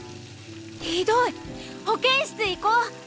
ひどい保健室行こう！